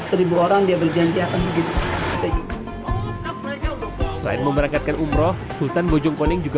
seribu orang dia berjanji akan begitu mereka selain memberangkatkan umroh sultan bojongkoning juga